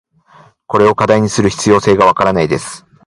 これを課題にする必要性が分からないです。